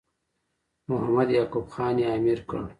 محمد یعقوب خان یې امیر کړ.